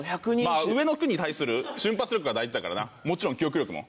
まあ上の句に対する瞬発力が大事だからなもちろん記憶力も。